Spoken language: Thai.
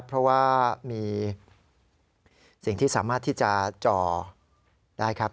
เพราะว่ามีสิ่งที่สามารถที่จะจ่อได้ครับ